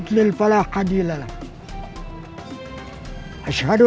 waalaikumsalam warahmatullahi wabarakatuh